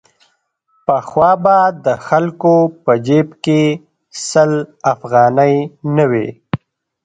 پخوا به د خلکو په جېب کې سل افغانۍ نه وې.